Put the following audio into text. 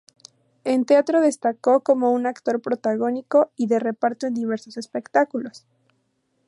En teatro se destacó como un actor protagónico y de reparto en diversos espectáculos.